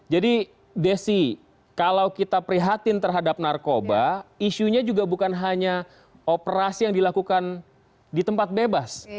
jadi desi kalau kita prihatin terhadap narkoba isunya juga bukan hanya operasi yang dilakukan di tempat bebas